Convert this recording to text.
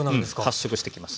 発色してきます。